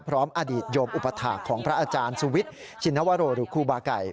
พร้อมอดีตโยมอุปถาของพระอาจารย์สุวิตชินวโลหรูคูบากัย